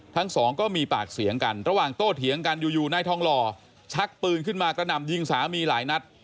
ทั้งสองก็มีปากเสียงกันระหว่างโต้เถียงกันอยู่นายทองหล่อชักปืนขึ้นมากระหน่ำยิงสามีหลายนัด